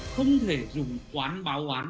không thể dùng quán báo án